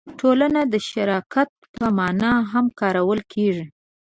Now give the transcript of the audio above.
ټولنه د شرکت په مانا هم کارول کېږي.